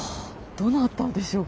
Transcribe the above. どなたでしょうか？